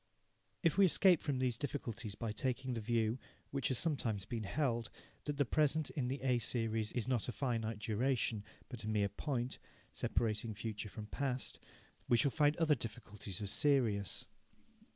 If we escape front these difficulties by taking the view, which has sometimes been held, that the present in the A series is not a finite duration, but a mere point, separating future from past, we shall find other difficulties as serious.